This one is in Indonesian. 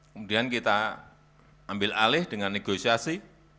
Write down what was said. kemudian kita ambil alih dengan negosiasi